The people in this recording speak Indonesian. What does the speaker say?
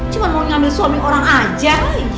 cuma mau ngambil suami orang aja